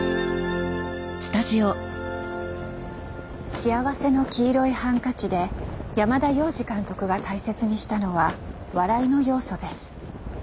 「幸福の黄色いハンカチ」で山田洋次監督が大切にしたのは笑いの要素です。